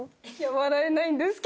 笑えないんですけど。